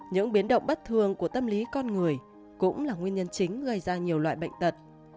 những biến động bất thường của tâm lý con người cũng là nguyên nhân chính gây ra nhiều loại bệnh tật